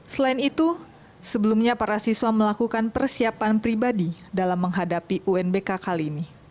selain itu sebelumnya para siswa melakukan persiapan pribadi dalam menghadapi unbk kali ini